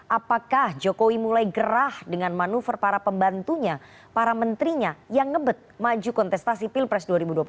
apakah jokowi mulai gerah dengan manuver para pembantunya para menterinya yang ngebet maju kontestasi pilpres dua ribu dua puluh empat